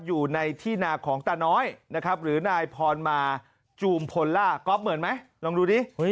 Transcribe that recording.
อยู่ในที่นาของตาน้อยนะครับหรือนายพรมาจูมพลล่าก๊อฟเหมือนไหมลองดูดิ